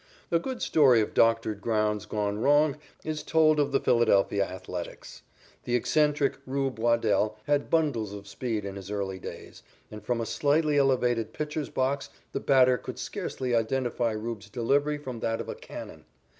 A good story of doctored grounds gone wrong is told of the Philadelphia Athletics. The eccentric "Rube" Waddell had bundles of speed in his early days, and from a slightly elevated pitcher's box the batter could scarcely identify "Rube's" delivery from that of a cannon.